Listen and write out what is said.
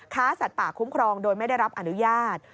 สัตว์ป่าคุ้มครองโดยไม่ได้รับอนุญาต